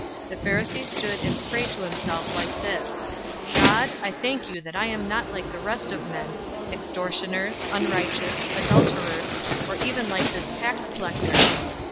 018:011 The Pharisee stood and prayed to himself like this: 'God, I thank you, that I am not like the rest of men, extortioners, unrighteous, adulterers, or even like this tax collector.